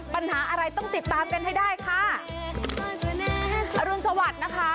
ปัญหาอะไรต้องติดตามกันให้ได้ค่ะอรุณสวัสดิ์นะคะ